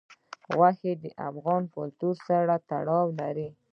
غوښې د افغان کلتور سره تړاو لري.